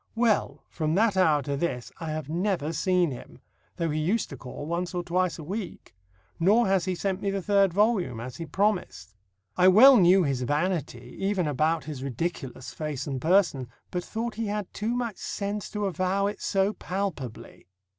Well, from that hour to this I have never seen him, though he used to call once or twice a week; nor has he sent me the third volume, as he promised. I well knew his vanity, even about his ridiculous face and person, but thought he had too much sense to avow it so palpably.